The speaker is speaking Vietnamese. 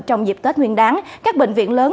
trong dịp tết nguyên đáng các bệnh viện lớn